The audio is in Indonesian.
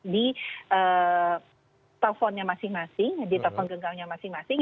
di teleponnya masing masing di telepon genggamnya masing masing